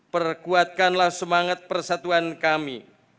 perkuatkanlah semangat persatuan kami